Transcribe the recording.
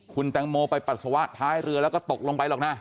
คุณแตงโมไปปัสสาวะท้ายเรือแล้วก็ตกลงไปหรอกนะ